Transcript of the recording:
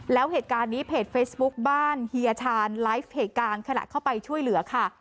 แล้วเหตุการณ์นี้เพจเฟซบุ๊คบ้านเฮียชาญไลฟ์เหตุการณ์ขณะเข้าไปช่วยเหลือค่ะ